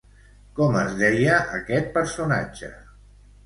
Com es deia aquest personatge?